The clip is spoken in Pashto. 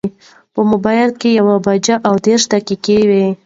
په مبایل کې یوه بجه او دېرش دقیقې وې.